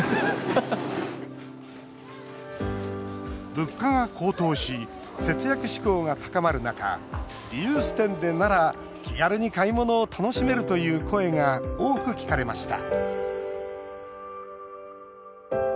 物価が高騰し節約志向が高まる中リユース店でなら、気軽に買い物を楽しめるという声が多く聞かれました